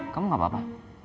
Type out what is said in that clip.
kamu gak apa apa